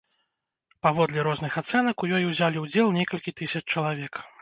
Паводле розных ацэнак, у ёй узялі ўдзел некалькі тысяч чалавек.